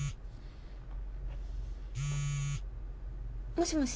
もしもし？